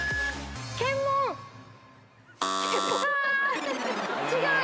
あ違う。